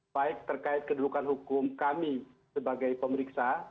baik terkait kedudukan hukum kami sebagai pemeriksa